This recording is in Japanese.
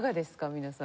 皆さん。